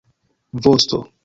vosto